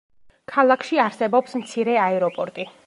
ქალაქში არსებობს მცირე აეროპორტი.